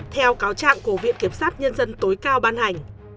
theo cáo trạng của viện kiểm sát nhân dân tối cao ban hành